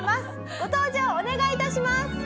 ご登場お願い致します！